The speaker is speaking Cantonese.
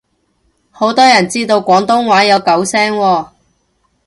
好多人知道廣東話有九聲喎